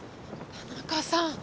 田中さん！